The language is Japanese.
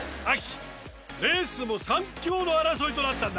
レースも３強の争いとなったんだ。